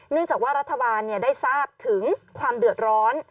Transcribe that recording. จากว่ารัฐบาลได้ทราบถึงความเดือดร้อน